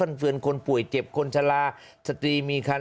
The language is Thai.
ฟันเวือนคนป่วยเจ็บคนชลาษฎีมิคัน